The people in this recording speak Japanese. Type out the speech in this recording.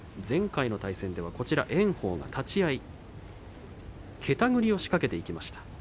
前回の対戦は炎鵬が立ち合いけたぐりを仕掛けていきました。